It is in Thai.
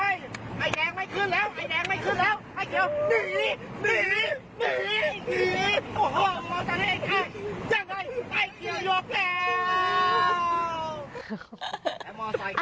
ยังไง